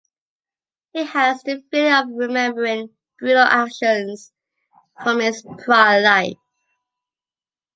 He has the feeling of remembering brutal actions from his prior life.